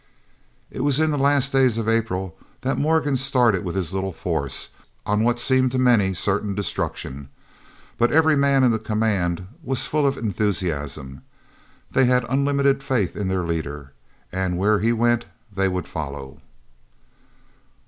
It was in the last days of April that Morgan started with his little force, on what seemed to many certain destruction. But every man in the command was full of enthusiasm. They had unlimited faith in their leader, and where he went they would follow.